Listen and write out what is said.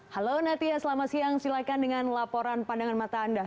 halo natia selamat siang silakan dengan laporan pandangan mata anda